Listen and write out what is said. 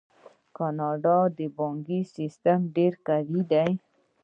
د کاناډا بانکي سیستم ډیر قوي دی.